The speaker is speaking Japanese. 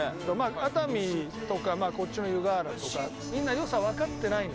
熱海とか、こっちの湯河原とかみんな、良さをわかってないの。